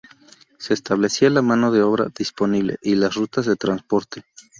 Se establecía la mano de obra disponible y las rutas de transporte.